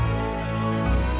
udah jangan ngambil aku ya